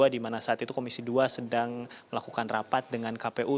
di mana saat itu komisi dua sedang melakukan rapat dengan kpu